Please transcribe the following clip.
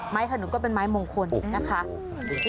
ไม้ผนุนก็เป็นไม้โมงคลนะคะโอเค